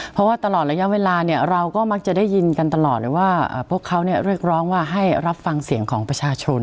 เพราะว่าตลอดระยะเวลาเนี่ยเราก็มักจะได้ยินกันตลอดเลยว่าพวกเขาเรียกร้องว่าให้รับฟังเสียงของประชาชน